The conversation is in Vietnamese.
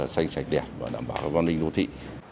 xanh sạch đẹp và đảm bảo các văn minh đô thị